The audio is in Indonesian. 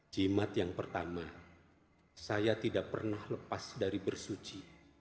jimat yang pertama saya tidak pernah lepas dari bersuci